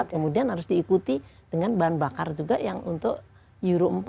kemudian harus diikuti dengan bahan bakar juga yang untuk euro empat